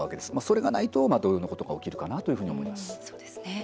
それがないと、同様のことが起きるかなというふうに思います。